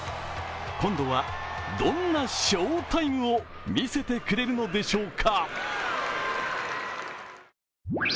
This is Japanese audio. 今度は、どんなショータイムを見せてくれるのでしょうか。